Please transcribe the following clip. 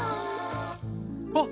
あっ！